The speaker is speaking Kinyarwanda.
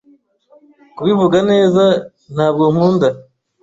Kubivuga neza, ntabwo nkunda.